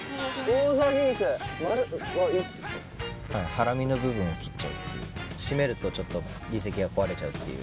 ハラミの部分を切っちゃって締めるとちょっと耳石が壊れちゃうっていう。